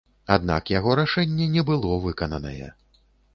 Аднак яго рашэнне не было выкананае.